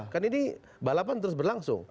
kan ini balapan terus berlangsung